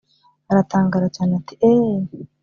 aratangara cyane ati"eeeeeh